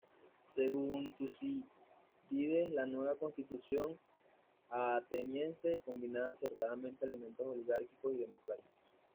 Según Tucídides, la nueva constitución ateniense combinaba acertadamente elementos oligárquicos y democráticos.